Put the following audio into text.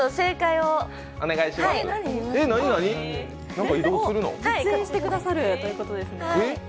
実演してくださるということです。